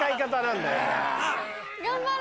頑張れ！